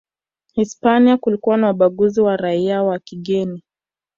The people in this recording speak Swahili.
Hispania kulikuwa na ubaguzi wa raia wa kigeni